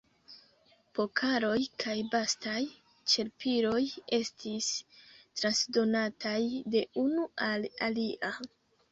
Pokaloj kaj bastaj ĉerpiloj estis transdonataj de unu al alia.